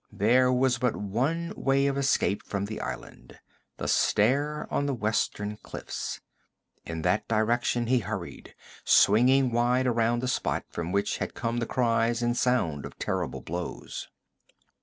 There was but one way of escape from the island the stair on the western cliffs. In that direction he hurried, swinging wide around the spot from which had come the cries and the sound of terrible blows.